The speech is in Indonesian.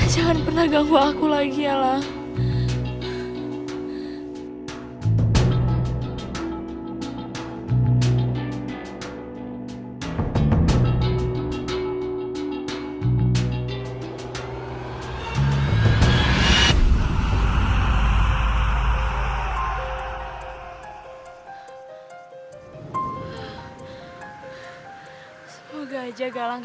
jangan pernah ganggu aku lagi ya lang